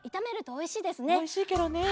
おいしいケロね。